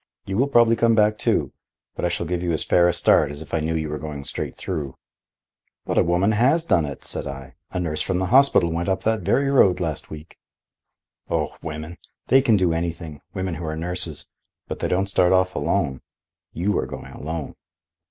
You will probably come back, too; but I shall give you as fair a start as if I knew you were going straight through." "But a woman has done it," said I; "a nurse from the hospital went up that very road last week." "Oh, women! they can do anything—women who are nurses. But they don't start off alone. You are going alone."